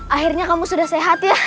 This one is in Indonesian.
akhirnya kamu sudah sehat ya